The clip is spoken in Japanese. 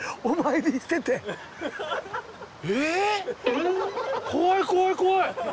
え怖い怖い怖い。